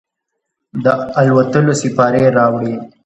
د الوتلوسیپارې راوړي